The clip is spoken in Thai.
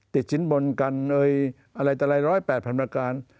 ติดชิ้นบนกันอะไรแต่อะไร๑๐๘พันประการ